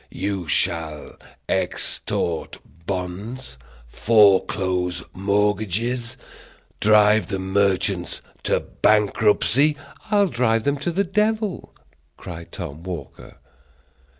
"You shall extort bonds, foreclose mortgages, drive the merchants to bankruptcy " "I'll drive them to the devil," cried Tom Walker.